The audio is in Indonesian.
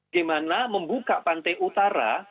gimana membuka pantai utara